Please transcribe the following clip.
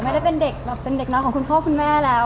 ไม่ได้เป็นเด็กน้องของคุณพ่อคุณแม่แล้ว